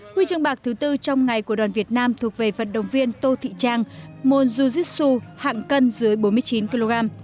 huy chương bạc thứ tư trong ngày của đoàn việt nam thuộc về vận động viên tô thị trang môn jujit su hạng cân dưới bốn mươi chín kg